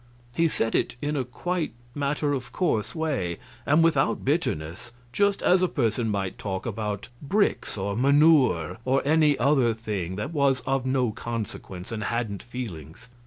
He said it in a quite matter of course way and without bitterness, just as a person might talk about bricks or manure or any other thing that was of no consequence and hadn't feelings.